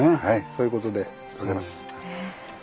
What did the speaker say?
はいそういうことでございます。